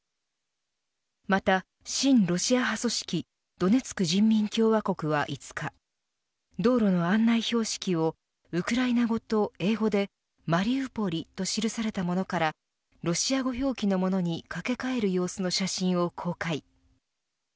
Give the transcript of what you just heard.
また親ロシア派組織ドネツク人民共和国は、５日道路の案内標識をウクライナ語と英語でマリウポリと記されたものからロシア語表記のものに掛け替える様子の写真を公開。